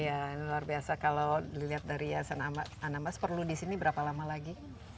iya luar biasa kalau dilihat dari yayasan anambas perlu di sini berapa lama lagi